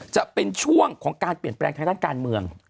จะเป็นช่วงของการเปลี่ยนแปลงทางด้านการเมือง